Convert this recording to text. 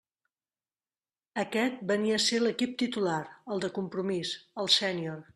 Aquest venia a ser l'equip titular, el de compromís, el sènior.